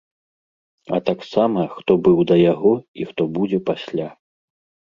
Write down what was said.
А таксама, хто быў да яго і хто будзе пасля?